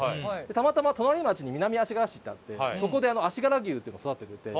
たまたま隣町に南足柄市ってあってそこで足柄牛っていうのを育てていて。